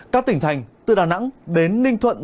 các tỉnh thành từ đà nẵng đến ninh thuận